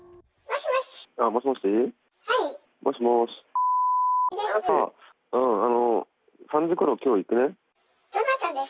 もしもし。